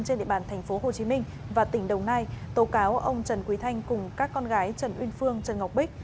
trên địa bàn tp hcm và tỉnh đồng nai tố cáo ông trần quý thanh cùng các con gái trần uyên phương trần ngọc bích